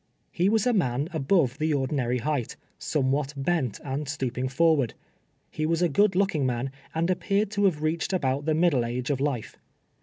lie was a man above the ordinary height, some what bent and stooping forward. lie was a good looking man, and appeared to have reached about the middle age of life.